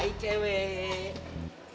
nunggu aja nunggu aja